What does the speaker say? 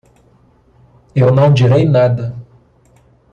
Eu não direi nada.